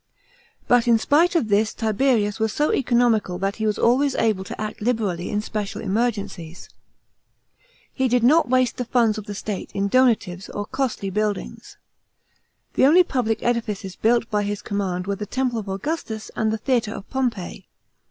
But in spite of this Tiberius was so economical that he was always able to act liberally in special emergencies. He did not waste the funds of the state in donatives or costly buildings. The only public edifices built by his command were the Temple of Augustus and the Theatre of Pompey.